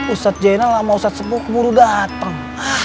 ustadz jainal sama ustadz sepuh keburu dateng